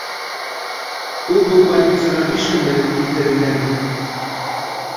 Ул был больницаға биш көн элек килтерелгән ине.